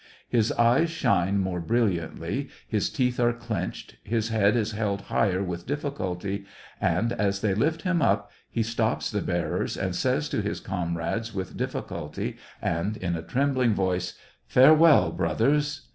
His eyes shine more brilliantly, his teeth are clenched, his head is held higher with difficulty, and, as they lift him up, he stops the bearers and says to his comrades, with difficulty and in a trembling voice :" F'arewell, brothers